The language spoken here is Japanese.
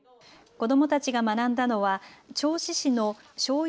子どもたちが学んだのは銚子市のしょうゆ